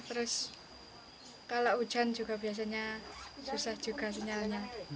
terus kalau hujan juga biasanya susah juga sinyalnya